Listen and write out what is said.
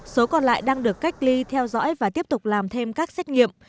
số còn lại đang được cách ly theo dõi và tiếp tục làm thêm các xét nghiệm